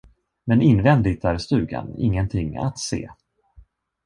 Men invändigt är stugan ingenting att se.